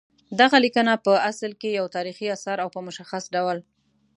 دغه لیکنه پع اصل کې یو تاریخي اثر او په مشخص ډول